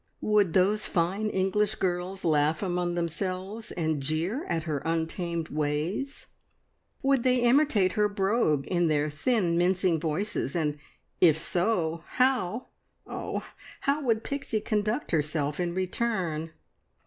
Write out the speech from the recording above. Would those fine English girls laugh among themselves and jeer at her untamed ways? Would they imitate her brogue in their thin mincing voices, and if so, how, oh, how would Pixie conduct herself in return?